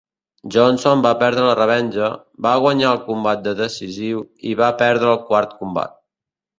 Johnson va perdre la revenja, va guanyar el combat de decisiu i va perdre el quart combat.